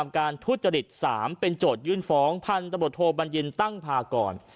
นักงานคดีประปรามการทุจริต๓เป็นจดยื่นฝองพันธบทโทบัญญินตั้งพากร